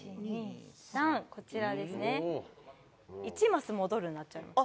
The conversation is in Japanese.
１マス戻るになっちゃいます。